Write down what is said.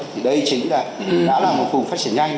thì đây chính là đã là một vùng phát triển nhanh